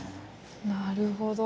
なるほど。